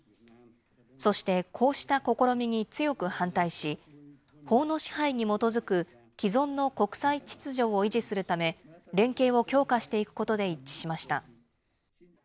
そしてこうした試みに強く反対し、法の支配に基づく既存の国際秩序を維持するため、連携を強化していくことで一致しました。